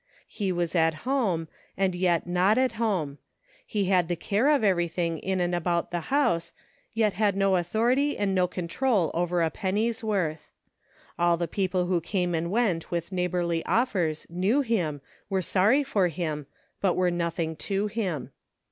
He was at home, and yet not at home ; he had the care of everything in and about the house ; yet had no authority and no control over a penny's worth. All the people who came and went with neighborly offers knew him, were sorry for him, but were nothing to him.